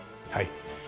はい。